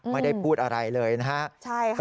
ไม่ได้พูดอะไรเลยนะครับ